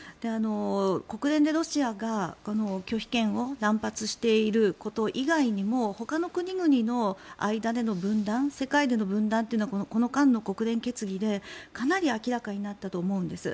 国連でロシアが拒否権を乱発していること以外にほかの国々の間での分断世界での分断というのがこの間の国連決議でかなり明らかになったと思うんです。